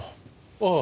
ああ。